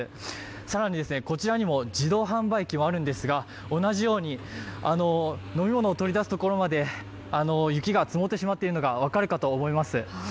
更にこちらにも自動販売機もあるんですが、同じように飲み物を取り出すところまで雪が積もっているのが分かるかと思います。